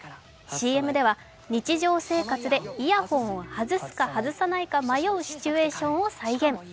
ＣＭでは日常生活でイヤホンを外すか外さないか迷うシチュエーションを再現。